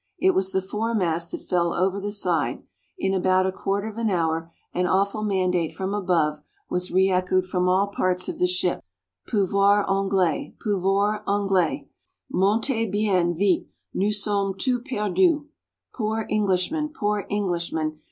It was the fore mast that fell over the side; in about a quarter of an hour an awful mandate from above was re echoed from all parts of the ship; Pouvores Anglais! Pouvores Anglais! Montez bien vite nous sommes tous perdus! "poor Englishmen! poor Englishmen!